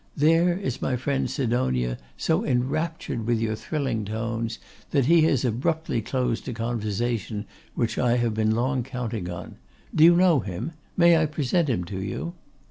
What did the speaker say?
There is my friend Sidonia so enraptured with your thrilling tones, that he has abruptly closed a conversation which I have been long counting on. Do you know him? May I present him to you?